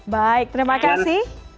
baik terima kasih